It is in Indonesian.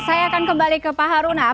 saya akan kembali ke pak haruna